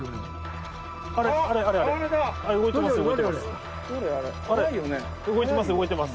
あれ動いてます